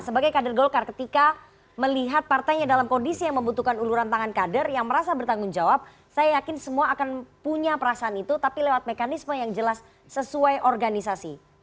sebagai kader golkar ketika melihat partainya dalam kondisi yang membutuhkan uluran tangan kader yang merasa bertanggung jawab saya yakin semua akan punya perasaan itu tapi lewat mekanisme yang jelas sesuai organisasi